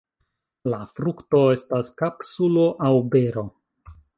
La frukto estas kapsulo aŭ bero.